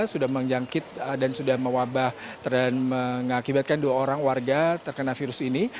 sudah menjangkit dan sudah mewabah dan mengakibatkan dua orang warga terkena virus ini